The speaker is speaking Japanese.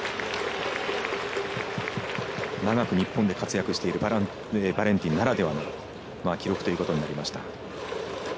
長く日本で活躍しているバレンティンならではの記録ということになりました。